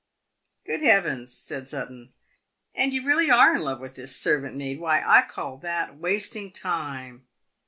" Good Heavens !" said Sutton, " and you are really in love with this servant maid ! Why, I call that wasting time."